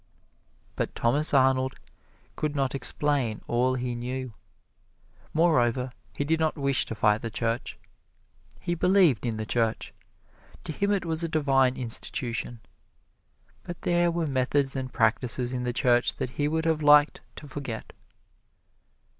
But Thomas Arnold could not explain all he knew. Moreover, he did not wish to fight the Church he believed in the Church to him it was a divine institution. But there were methods and practises in the Church that he would have liked to forget.